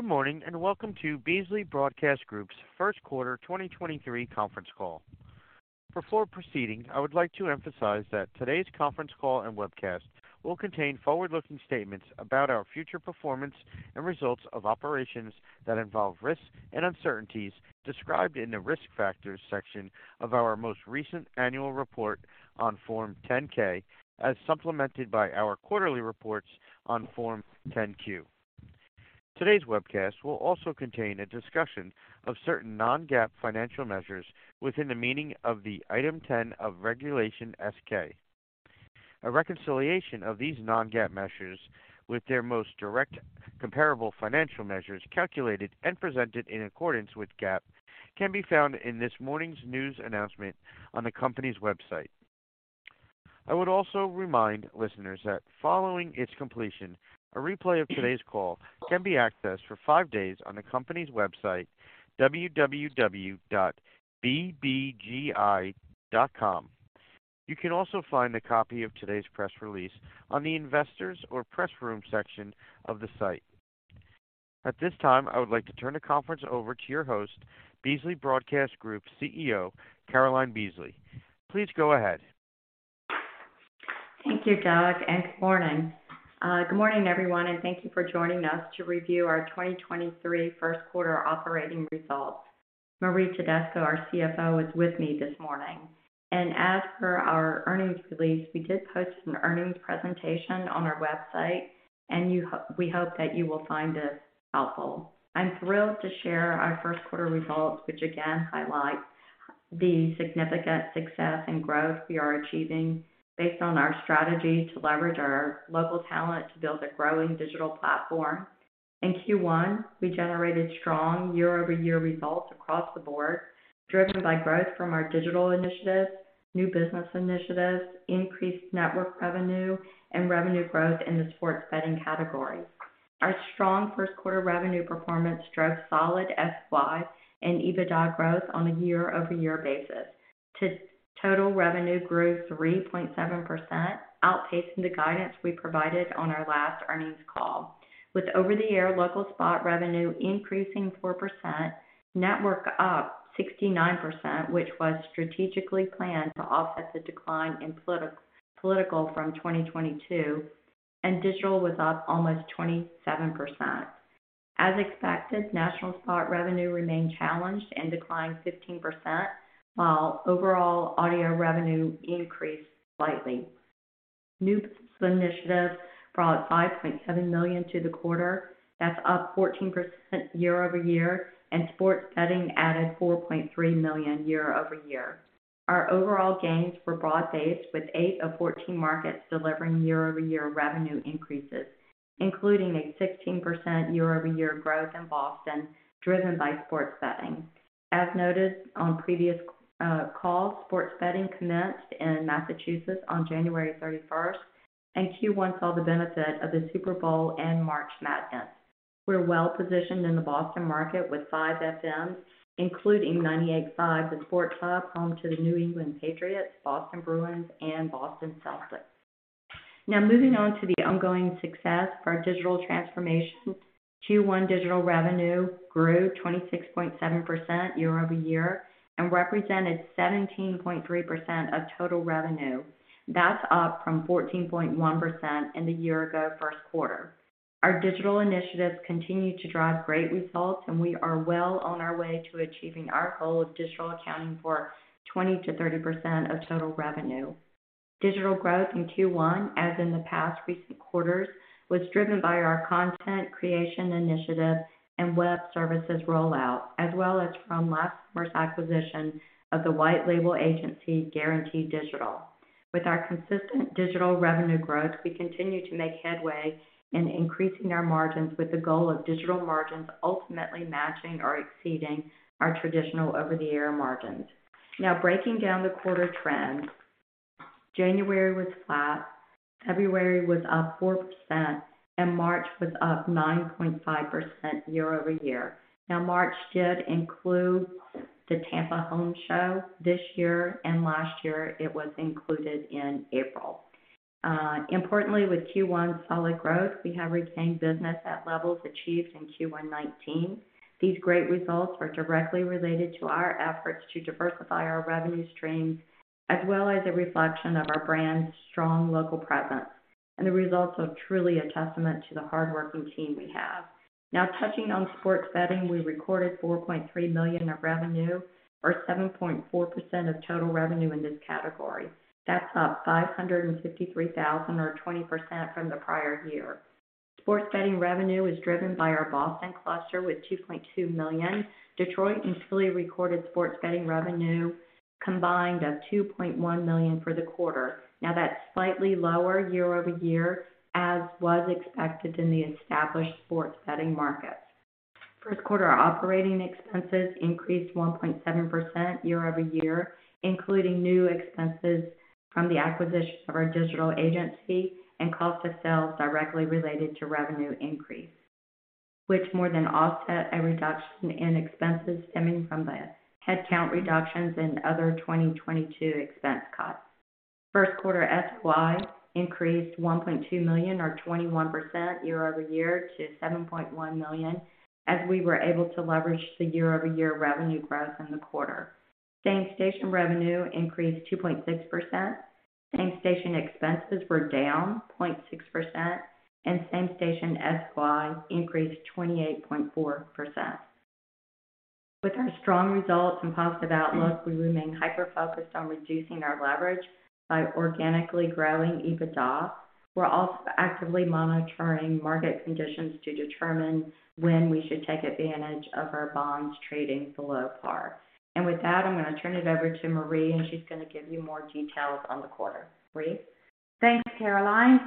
Good morning, and welcome to Beasley Broadcast Group's Q1 2023 conference call. Before proceeding, I would like to emphasize that today's conference call and webcast will contain forward-looking statements about our future performance and results of operations that involve risks and uncertainties described in the Risk Factors section of our most recent annual report on Form 10-K, as supplemented by our quarterly reports on Form 10-Q. Today's webcast will also contain a discussion of certain non-GAAP financial measures within the meaning of the Item 10 of Regulation S-K. A reconciliation of these non-GAAP measures with their most direct comparable financial measures calculated and presented in accordance with GAAP can be found in this morning's news announcement on the company's website. I would also remind listeners that following its completion, a replay of today's call can be accessed for five days on the company's website, www.bbgi.com. You can also find a copy of today's press release on the Investors or Press Room section of the site. At this time, I would like to turn the conference over to your host, Beasley Broadcast Group CEO, Caroline Beasley. Please go ahead. Thank you, Doug. Good morning, everyone, and thank you for joining us to review our 2023 Q1 operating results. Marie Tedesco, our CFO, is with me this morning. As per our earnings release, we did post an earnings presentation on our website, and we hope that you will find this helpful. I'm thrilled to share our Q1 results, which again highlight the significant success and growth we are achieving based on our strategy to leverage our local talent to build a growing digital platform. In Q1, we generated strong year-over-year results across the board, driven by growth from our digital initiatives, new business initiatives, increased network revenue, and revenue growth in the sports betting category. Our strong Q1 revenue performance drove solid FY and EBITDA growth on a year-over-year basis. Total revenue grew 3.7%, outpacing the guidance we provided on our last earnings call. With over-the-air local spot revenue increasing 4%, network up 69%, which was strategically planned to offset the decline in political from 2022, and digital was up almost 27%. As expected, national spot revenue remained challenged and declined 15%, while overall audio revenue increased slightly. New business initiatives brought $5.7 million to the quarter. That's up 14% year-over-year, and sports betting added $4.3 million year-over-year. Our overall gains were broad-based, with eight of 14 markets delivering year-over-year revenue increases, including a 16% year-over-year growth in Boston, driven by sports betting. As noted on previous calls, sports betting commenced in Massachusetts on January 31st, and Q1 saw the benefit of the Super Bowl and March Madness. We're well-positioned in the Boston market with five FMs, including 98.5, The Sports Hub, home to the New England Patriots, Boston Bruins, and Boston Celtics. Moving on to the ongoing success of our digital transformation. Q1 digital revenue grew 26.7% year-over-year and represented 17.3% of total revenue. That's up from 14.1% in the year-ago Q1. Our digital initiatives continue to drive great results, and we are well on our way to achieving our goal of digital accounting for 20%-30% of total revenue. Digital growth in Q1, as in the past recent quarters, was driven by our content creation initiative and web services rollout, as well as from last year's acquisition of the white-label agency, Guarantee Digital. With our consistent digital revenue growth, we continue to make headway in increasing our margins with the goal of digital margins ultimately matching or exceeding our traditional over-the-air margins. Breaking down the quarter trends. January was flat, February was up 4%, and March was up 9.5% year-over-year. March did include the Tampa Home Show this year and last year it was included in April. Importantly, with Q1's solid growth, we have retained business at levels achieved in Q1 2019. These great results were directly related to our efforts to diversify our revenue streams, as well as a reflection of our brand's strong local presence. The results are truly a testament to the hardworking team we have. Touching on sports betting, we recorded $4.3 million of revenue or 7.4% of total revenue in this category. That's up $553,000 or 20% from the prior year. Sports betting revenue is driven by our Boston cluster with $2.2 million. Detroit and Philly recorded sports betting revenue combined of $2.1 million for the quarter. That's slightly lower year-over-year as was expected in the established sports betting markets. Q1 operating expenses increased 1.7% year-over-year, including new expenses from the acquisition of our digital agency and cost of sales directly related to revenue increase, which more than offset a reduction in expenses stemming from the headcount reductions and other 2022 expense costs. Q1 SOI increased $1.2 million or 21% year-over-year to $7.1 million as we were able to leverage the year-over-year revenue growth in the quarter. Same station revenue increased 2.6%. Same station expenses were down 0.6% and same station SOI increased 28.4%. With our strong results and positive outlook, we remain hyper-focused on reducing our leverage by organically growing EBITDA. We're also actively monitoring market conditions to determine when we should take advantage of our bonds trading below par. With that, I'm going to turn it over to Marie, and she's going to give you more details on the quarter. Marie? Thanks, Caroline,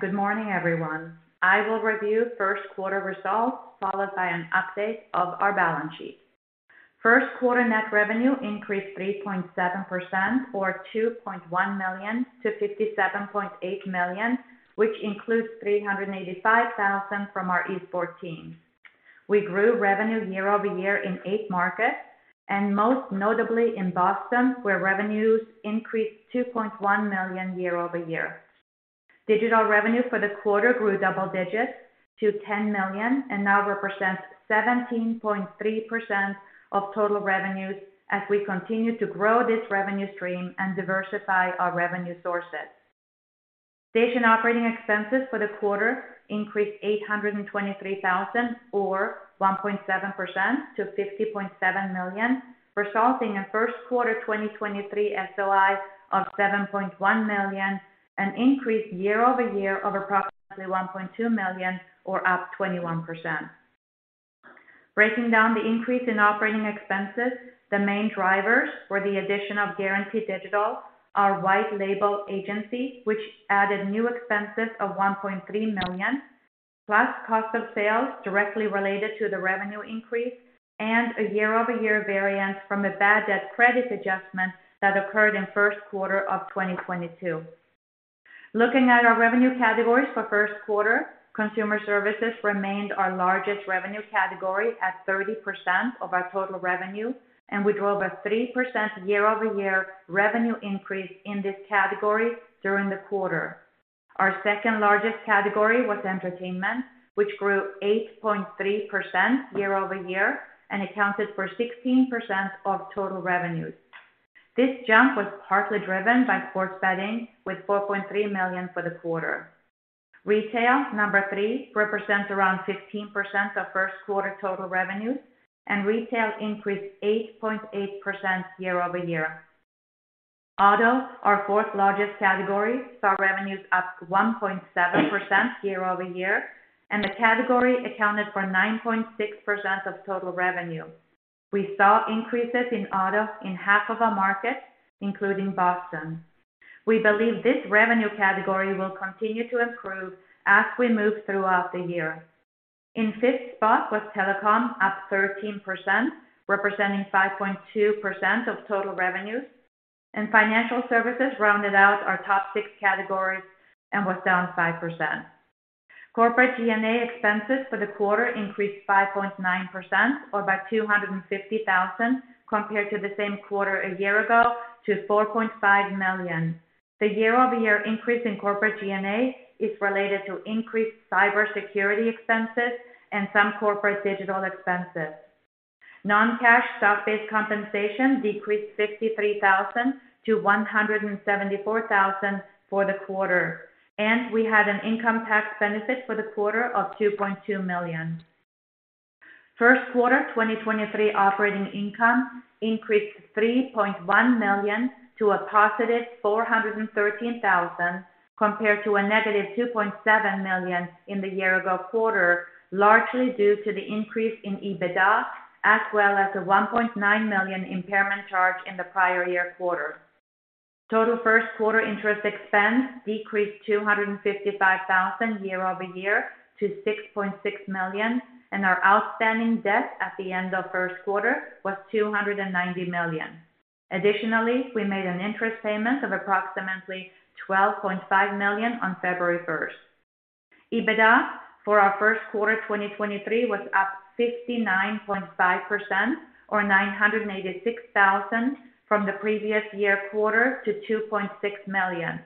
good morning, everyone. I will review Q1 results followed by an update of our balance sheet. Q1 net revenue increased 3.7% or $2.1 million to $57.8 million, which includes $385,000 from our esports team. We grew revenue year-over-year in 8 markets, most notably in Boston, where revenues increased $2.1 million year-over-year. Digital revenue for the quarter grew double digits to $10 million and now represents 17.3% of total revenues as we continue to grow this revenue stream and diversify our revenue sources. Station operating expenses for the quarter increased $823,000 or 1.7% to $50.7 million, resulting in Q1 2023 SOI of $7.1 million, an increase year-over-year of approximately $1.2 million or up 21%. Breaking down the increase in operating expenses, the main drivers were the addition of Guarantee Digital, our white label agency, which added new expenses of $1.3 million, plus cost of sales directly related to the revenue increase and a year-over-year variance from a bad debt credit adjustment that occurred in Q1 of 2022. Looking at our revenue categories for Q1, consumer services remained our largest revenue category at 30% of our total revenue, we drove a 3% year-over-year revenue increase in this category during the quarter. Our second largest category was entertainment, which grew 8.3% year-over-year and accounted for 16% of total revenues. This jump was partly driven by sports betting with $4.3 million for the quarter. Retail, number three, represents around 15% of Q1 total revenues. Retail increased 8.8% year-over-year. Auto, our fourth largest category, saw revenues up 1.7% year-over-year. The category accounted for 9.6% of total revenue. We saw increases in auto in half of our markets, including Boston. We believe this revenue category will continue to improve as we move throughout the year. In fifth spot was telecom up 13%, representing 5.2% of total revenues. Financial services rounded out our top six categories and was down 5%. Corporate G&A expenses for the quarter increased 5.9% or by $250,000 compared to the same quarter a year ago to $4.5 million. The year-over-year increase in corporate G&A is related to increased cybersecurity expenses and some corporate digital expenses. Non-cash stock-based compensation decreased $53,000 to $174,000 for the quarter. We had an income tax benefit for the quarter of $2.2 million. Q1 2023 operating income increased $3.1 million to a positive $413,000 compared to a negative $2.7 million in the year-ago quarter, largely due to the increase in EBITDA as well as a $1.9 million impairment charge in the prior year quarter. Total Q1 interest expense decreased $255,000 year-over-year to $6.6 million, and our outstanding debt at the end of Q1 was $290 million. Additionally, we made an interest payment of approximately $12.5 million on February first. EBITDA for our Q1 2023 was up 59.5% or $986,000 from the previous year quarter to $2.6 million.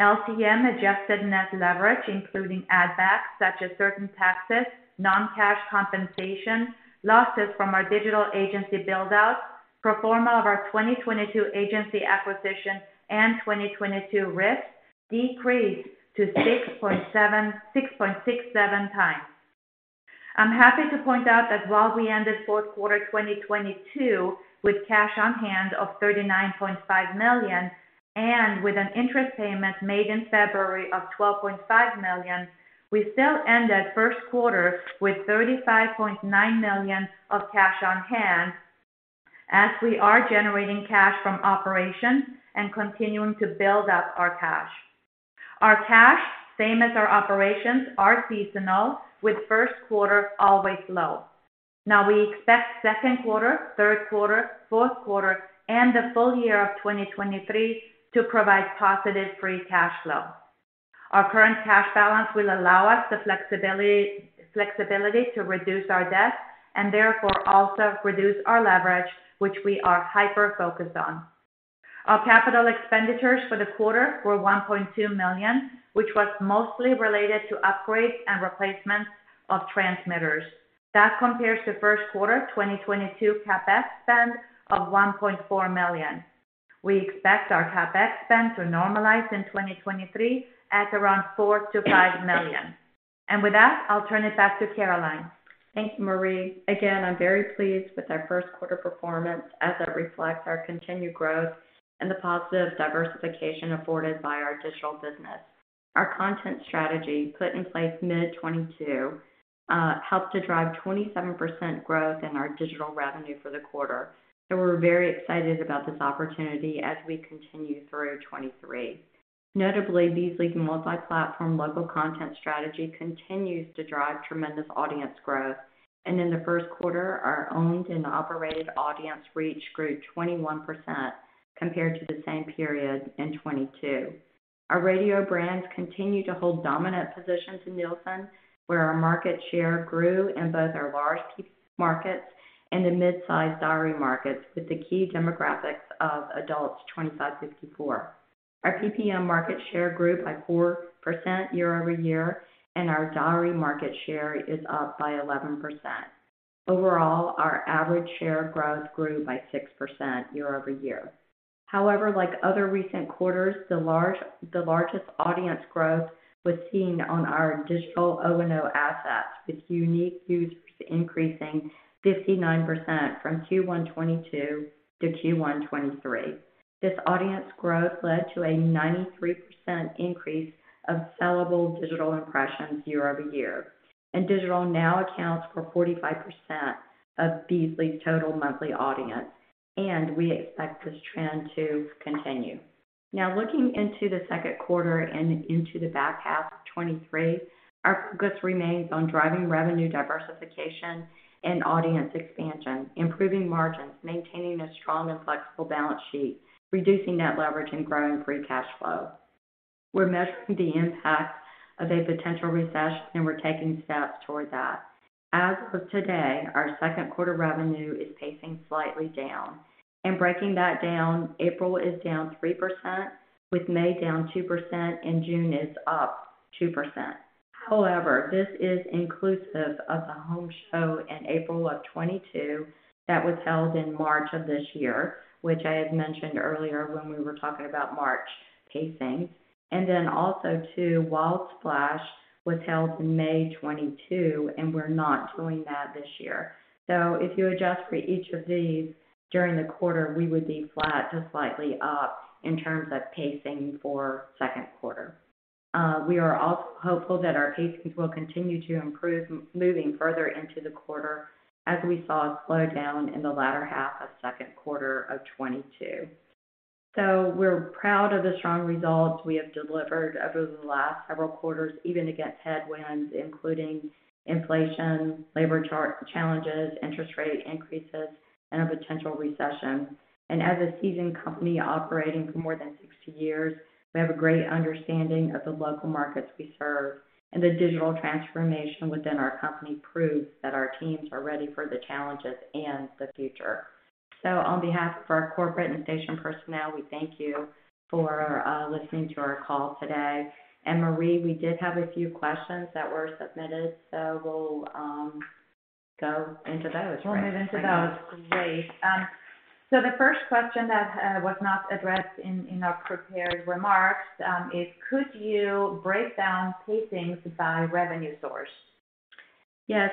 LTM adjusted net leverage, including add backs such as certain taxes, non-cash compensation, losses from our digital agency build out, pro forma of our 2022 agency acquisition and 2022 RIFs decreased to 6.67 times. I'm happy to point out that while we ended Q4 2022 with cash on hand of $39.5 million and with an interest payment made in February of $12.5 million, we still ended Q1 with $35.9 million of cash on hand as we are generating cash from operations and continuing to build up our cash. Our cash, same as our operations, are seasonal, with Q1 always low. We expect Q2, Q3, Q4, and the full year of 2023 to provide positive free cash flow. Our current cash balance will allow us the flexibility to reduce our debt and therefore also reduce our leverage, which we are hyper-focused on. Our capital expenditures for the quarter were $1.2 million, which was mostly related to upgrades and replacements of transmitters. That compares to Q1 2022 CapEx spend of $1.4 million. We expect our CapEx spend to normalize in 2023 at around $4 million-$5 million. With that, I'll turn it back to Caroline. Thanks, Marie. Again, I'm very pleased with our Q1 performance as it reflects our continued growth and the positive diversification afforded by our digital business. Our content strategy, put in place mid-2022, helped to drive 27% growth in our digital revenue for the quarter, so we're very excited about this opportunity as we continue through 2023. Notably, Beasley multi-platform local content strategy continues to drive tremendous audience growth. In the Q1, our owned and operated audience reach grew 21% compared to the same period in 2022. Our radio brands continue to hold dominant positions in Nielsen, where our market share grew in both our large markets and the midsize diary markets with the key demographics of adults 25 to 54. Our PPM market share grew by 4% year-over-year, and our diary market share is up by 11%. Overall, our average share growth grew by 6% year-over-year. Like other recent quarters, the largest audience growth was seen on our digital O&O assets, with unique users increasing 59% from Q1 2022 to Q1 2023. This audience growth led to a 93% increase of sellable digital impressions year-over-year. Digital now accounts for 45% of Beasley's total monthly audience, and we expect this trend to continue. Looking into the Q2 and into the back half of 2023, our focus remains on driving revenue diversification and audience expansion, improving margins, maintaining a strong and flexible balance sheet, reducing net leverage, and growing free cash flow. We're measuring the impact of a potential recession, and we're taking steps toward that. As of today, our Q2 revenue is pacing slightly down. Breaking that down, April is down 3%, with May down 2%, and June is up 2%. This is inclusive of the Tampa Home Show in April of 2022 that was held in March of this year, which I had mentioned earlier when we were talking about March pacing, and then also too, WiLD Splash was held in May 2022, and we're not doing that this year. If you adjust for each of these during the quarter, we would be flat to slightly up in terms of pacing for Q2. We are also hopeful that our pacing will continue to improve moving further into the quarter as we saw a slowdown in the latter half of Q2 of 2022. We're proud of the strong results we have delivered over the last several quarters, even against headwinds, including inflation, labor challenges, interest rate increases, and a potential recession. As a seasoned company operating for more than 60 years, we have a great understanding of the local markets we serve, and the digital transformation within our company proves that our teams are ready for the challenges and the future. On behalf of our corporate and station personnel, we thank you for listening to our call today. Marie, we did have a few questions that were submitted, so we'll go into those. We'll move into those. Great. The first question that was not addressed in our prepared remarks, is could you break down pacings by revenue source? Yes.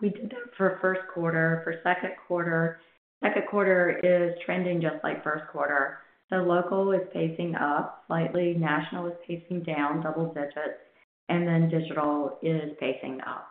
we did that for Q1. For Q2, Q2 is trending just like Q1. Local is pacing up slightly. National is pacing down double digits. Digital is pacing up.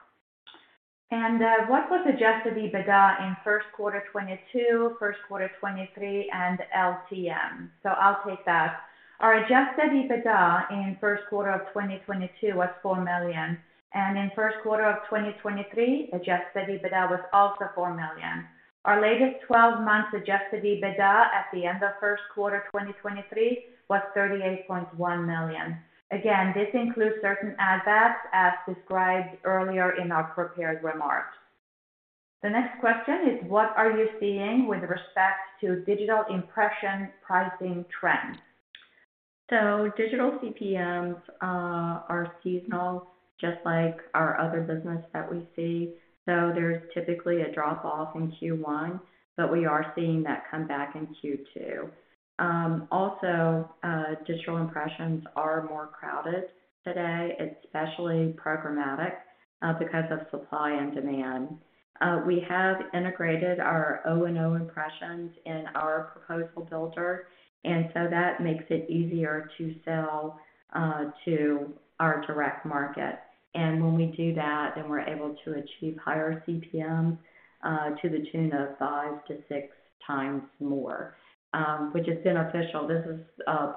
What was adjusted EBITDA in Q1 2022, Q1 2023, and LTM? I'll take that. Our adjusted EBITDA in Q1 of 2022 was $4 million, and in Q1 of 2023, adjusted EBITDA was also $4 million. Our latest twelve months adjusted EBITDA at the end of Q1 2023 was $38.1 million. Again, this includes certain add backs as described earlier in our prepared remarks. The next question is what are you seeing with respect to digital impression pricing trends? Digital CPMs are seasonal just like our other business that we see. There's typically a drop-off in Q1, but we are seeing that come back in Q2. Also, digital impressions are more crowded today, especially programmatic, because of supply and demand. We have integrated our O&O impressions in our proposal builder, that makes it easier to sell to our direct market. When we do that, we're able to achieve higher CPMs to the tune of five to six times more, which is beneficial. This is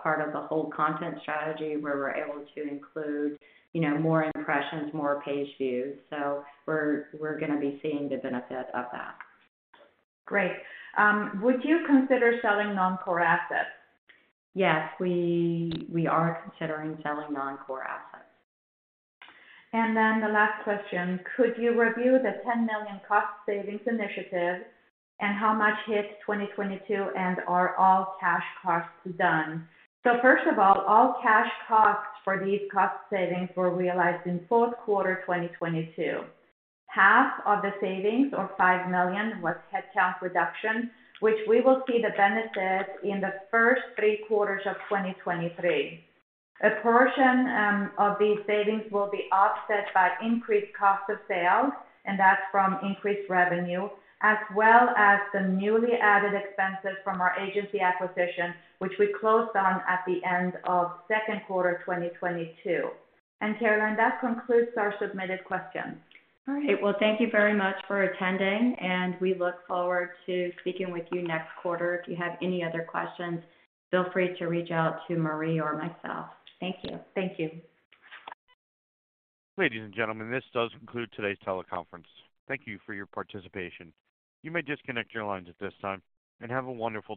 part of the whole content strategy where we're able to include, you know, more impressions, more page views. We're going to be seeing the benefit of that. Great. Would you consider selling non-core assets? Yes, we are considering selling non-core assets. The last question, could you review the $10 million cost savings initiative and how much hit 2022, and are all cash costs done? First of all cash costs for these cost savings were realized in Q4 2022. Half of the savings, or $5 million, was headcount reduction, which we will see the benefit in the first three quarters of 2023. A portion of these savings will be offset by increased cost of sales, and that's from increased revenue, as well as the newly added expenses from our agency acquisition, which we closed on at the end of Q2 2022. Caroline, that concludes our submitted questions. All right. Well, thank you very much for attending. We look forward to speaking with you next quarter. If you have any other questions, feel free to reach out to Marie or myself. Thank you. Thank you. Ladies and gentlemen, this does conclude today's teleconference. Thank you for your participation. You may disconnect your lines at this time, and have a wonderful day.